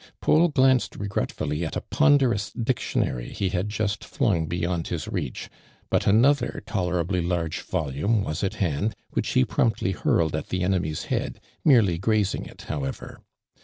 Paul glanced regretfully at a pondeixjus dictionary he had just flung beyond liis reach, but another tolerably large volume was at hand, which he i)romptly hurled at the enemy's head, merely grazing it, how ever.